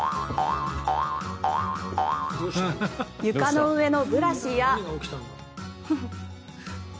床の上のブラシや。